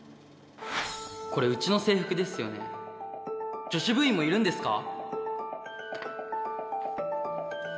これうちの制服ですよね女子部員もいるんですか？